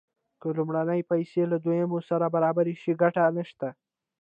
که لومړنۍ پیسې له دویمې سره برابرې شي ګټه نشته